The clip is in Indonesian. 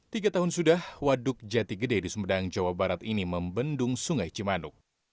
tiga tahun sudah waduk jati gede di sumedang jawa barat ini membendung sungai cimanuk